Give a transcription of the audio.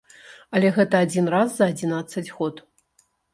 Але гэта адзін раз за адзінаццаць год.